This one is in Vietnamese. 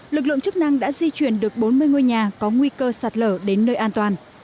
lực lượng chức năng đã di chuyển được bốn mươi ngôi nhà có nguy cơ sạt lở đến nơi an toàn